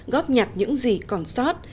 góp nhặt những gì còn sót